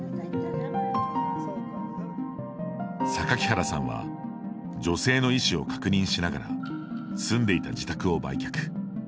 榊原さんは女性の意思を確認しながら住んでいた自宅を売却。